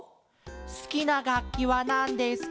「すきながっきはなんですか？